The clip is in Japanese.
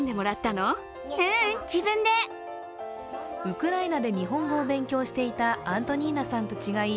ウクライナで日本語を勉強していたアントニーナさんと違い